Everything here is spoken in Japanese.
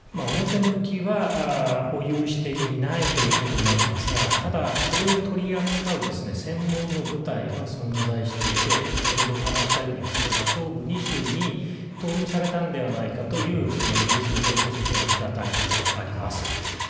表向きは保有していないということになっていますがただ、それを取り扱う専門の部隊は存在していて先ほど話したように東部２州に投入されたのではないかというイギリスの情報筋の見方があります。